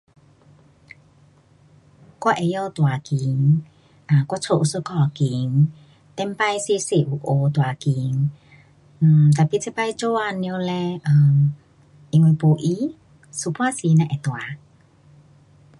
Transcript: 我会晓弹琴，啊，我家有一架琴，上次小小有学弹琴。[um]tapi 这次做工了嘞，um 因为没闲，一半是时才会弹。